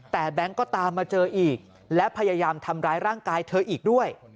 แต่แบงค์ก็ตามมาเจออีกและพยายามทำร้ายร่างกายเธออีกด้วย